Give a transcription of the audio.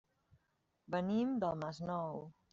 Venim del Masnou.